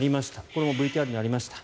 これもＶＴＲにありました。